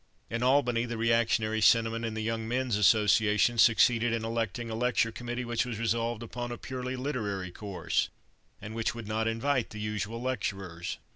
In Albany the reactionary sentiment in the Young Men's Association succeeded in electing a lecture committee which was resolved upon a purely "literary" course, and which would not invite the usual lecturers.